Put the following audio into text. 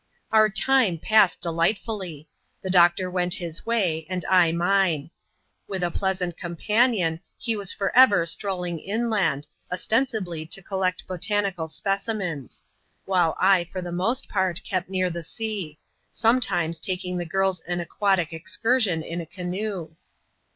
Our time passed delightfully. The doctor went his way, and I mine. With a pleasant companion, he was for ever strolling inland, ostensibly to collect botanical specimens ; while I, for the most part, kept near the sea; sometimes taking the girls an aquatic excursion in a canoe.